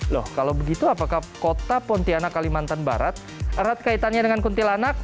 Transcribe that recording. loh kalau begitu apakah kota pontianak kalimantan barat erat kaitannya dengan kuntilanak